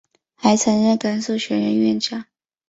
还曾任甘肃学院院长。